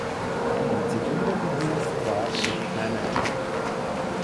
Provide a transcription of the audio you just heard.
Im zivilen Beruf war er Manager.